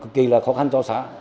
cực kỳ là khó khăn cho xã